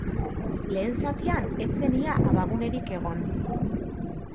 Lehen zatian ez zen ia abagunerik egon.